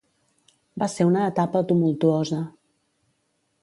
Va ser una etapa tumultuosa.